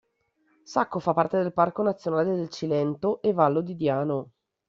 Sacco fa parte del Parco Nazionale del Cilento e Vallo di Diano.